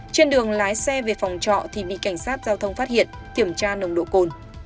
trên đường lái xe về phòng trọ thì bị cảnh sát giao thông phát hiện kiểm tra nồng độ cồn